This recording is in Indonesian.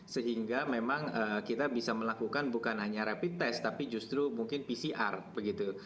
sehingga memang kita bisa melakukan bukan hanya rapid test tapi justru mungkin pcr begitu